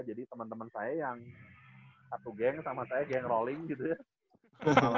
jadi temen temen saya yang satu geng sama saya geng rolling gitu ya